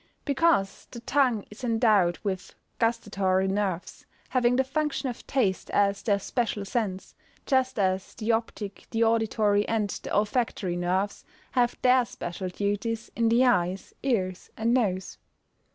_ Because the tongue is endowed with gustatory nerves, having the function of taste as their special sense, just as the optic, the auditory, and the olfactory nerves, have their special duties in the eyes, ears, and nose.